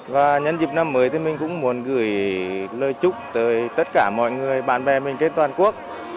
và nhân dịp năm mới thì mình cũng muốn gửi lời chúc tới tất cả mọi người bạn bè mình trên toàn quốc